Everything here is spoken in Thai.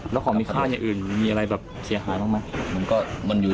แล้วของอีกอย่างอื่นมีอะไรแบบเสียหาอยู่หรือ